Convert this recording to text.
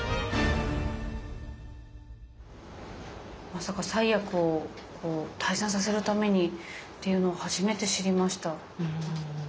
まさか災厄を退散させるためにっていうのを初めて知りました。